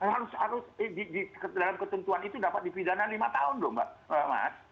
harus harus dalam ketentuan itu dapat dipidana lima tahun loh mbak mas